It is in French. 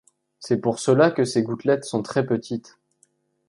C'est pour cela que ces gouttelettes sont très petites.